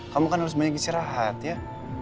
kamu kan harus banyak istirahat ya